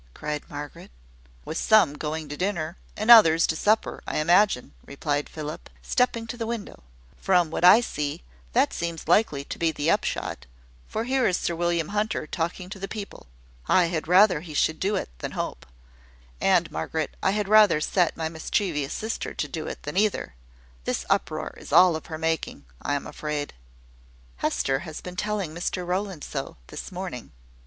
cried Margaret. "With some going to dinner, and others to supper, I imagine," replied Philip, stepping to the window. "From what I see, that seems likely to be the upshot; for here is Sir William Hunter talking to the people. I had rather he should do it than Hope; and, Margaret, I had rather set my mischievous sister to do it than either. This uproar is all of her making, I am afraid." "Hester has been telling Mr Rowland so, this morning."